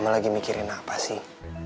lagi mikirin apa sih